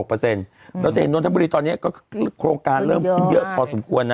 เราจะเห็นนนทบุรีตอนนี้ก็โครงการเริ่มขึ้นเยอะพอสมควรนะ